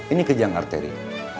ini kejang arteri